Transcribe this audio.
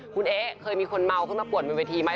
คุณเอ๊ะเคยมีคนเมาขึ้นมาปวดบนเวทีไหม